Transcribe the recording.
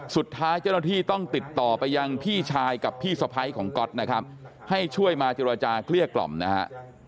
สุดท้ายเจ้าหน้าที่ต้องติดต่อไปยังพี่ชายกับพี่สะพ้ายของก๊อตนะครับให้ช่วยมาเจรจาเกลี้ยกล่อมนะฮะ